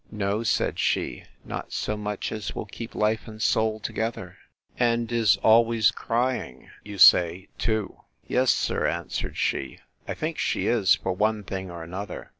No, said she, not so much as will keep life and soul together.—And is always crying, you say, too? Yes, sir, answered she, I think she is, for one thing or another.